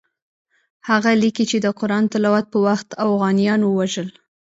هغه لیکي چې د قرآن تلاوت په وخت اوغانیان ووژل.